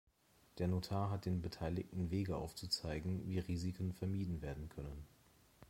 Der Notar hat den Beteiligten Wege aufzuzeigen, wie Risiken vermieden werden können.